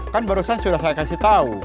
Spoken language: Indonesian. kan barusan sudah saya kasih tahu